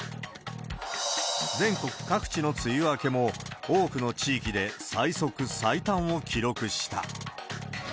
全国各地の梅雨明けも、多くの地域で最速、最短を記録した。